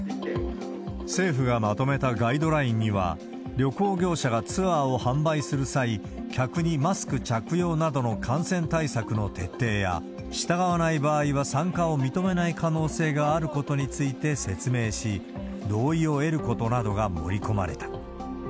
政府がまとめたガイドラインには、旅行業者がツアーを販売する際、客にマスク着用などの感染対策の徹底や、従わない場合は参加を認めない可能性があることについて説明し、同意を得ることなどが盛り込まれた。